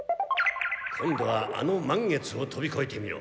今度はあのまん月をとびこえてみろ。